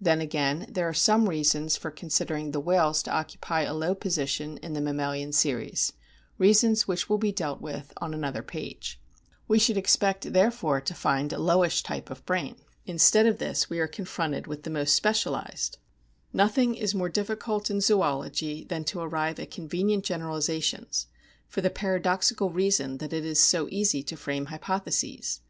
Then aram there are o o some reasons for considering the whales to occupy a low position in the mammalian series, reasons which will be dealt with on another page. We should expect, SOME INTERNAL STRUCTURES 79 therefore, to find a lowish type of brain ; instead of this we are confronted with the most specialised. Nothing is more difficult in zoology than to arrive at convenient generalisations for the paradoxical reason that it is so easy to frame hypotheses.